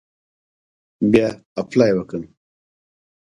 بیا اپلای وکړه.